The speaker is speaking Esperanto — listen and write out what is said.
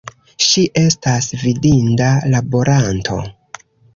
Ŝi estas fidinda laboranto.